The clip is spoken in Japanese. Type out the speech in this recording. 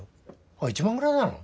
あっ１万ぐらいなの？